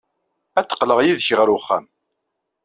Ad d-qqleɣ yid-k ɣer uxxam.